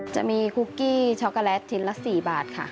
จะมีคุกกี้ช็อกโกแลตชิ้นละ๔บาทค่ะ